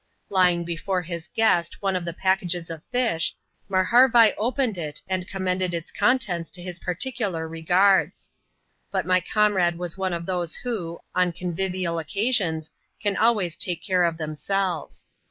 Laying before his guest one of the packages of fish, Marharvai opened it, and commended its contents to his particular regards. But my comrade was one of those, who, on convivial occasions, can always take care of themselves.